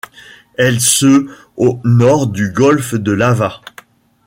Elle se au nord du golfe de Lava.